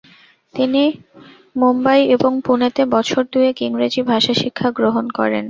তিনি মুম্বই এবং পুণেতে বছর দুয়েক ইংরেজি ভাষাশিক্ষা গ্রহণ করেন।